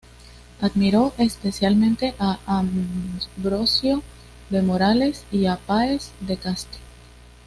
Admiró especialmente a Ambrosio de Morales y a Páez de Castro.